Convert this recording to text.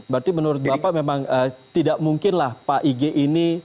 berarti menurut bapak memang tidak mungkinlah pak ig ini